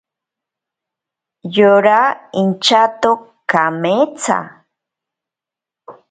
Yora inchato kametsa.